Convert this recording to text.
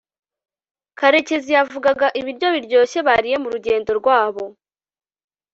karekezi yavugaga ibiryo biryoshye bariye murugendo rwabo